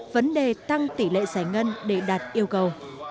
vấn đề tăng tỷ lệ giải ngân để đạt yêu cầu